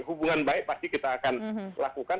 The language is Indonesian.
hubungan baik pasti kita akan lakukan